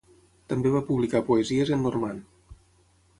També va publicar poesies en normand.